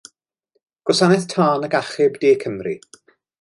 Gwasanaeth Tân ac Achub De Cymru.